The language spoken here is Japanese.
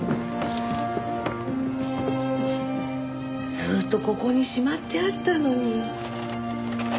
ずっとここにしまってあったのに。